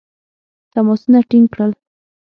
تماسونه ټینګ کړل.